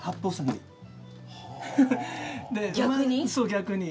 逆に？